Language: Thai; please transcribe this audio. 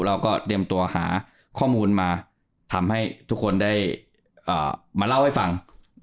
เราก็เตรียมตัวหาข้อมูลมาทำให้ทุกคนได้มาเล่าให้ฟัง